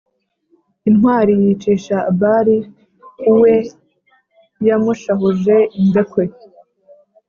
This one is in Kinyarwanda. Intwali yicisha abali, uwe yamushahuje indekwe.